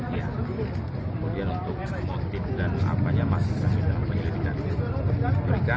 kemudian untuk motif dan apa yang masih terjadi dalam penyelidikan